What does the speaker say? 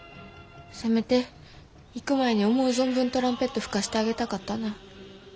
せめて行く前に思う存分トランペット吹かしてあげたかったな。